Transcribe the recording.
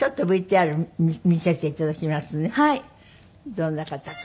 どんな方か。